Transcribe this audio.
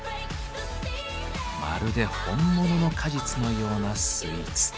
まるで本物の果実のようなスイーツ。